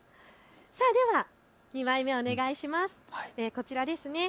では２枚目、お願いします。